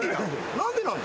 何でなの？